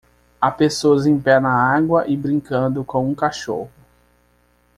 Há pessoa em pé na água e brincando com um cachorro.